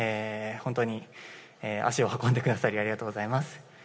本当に、足を運んでくださり、ありがとうございます。